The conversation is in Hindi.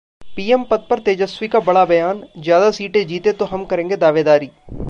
पीएम पद पर तेजस्वी का बड़ा बयान- ज्यादा सीटें जीते तो हम करेंगे दावेदारी